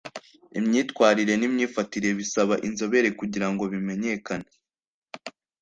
imyitwarire n’imyifatire bisaba inzobere kugira ngo bimenyekane